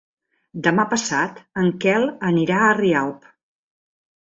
Demà passat en Quel anirà a Rialp.